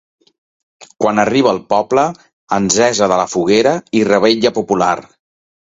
Quan arriba al poble, encesa de la foguera i revetlla popular.